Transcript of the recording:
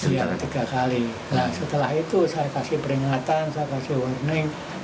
iya setelah itu saya kasih peringatan saya kasih warning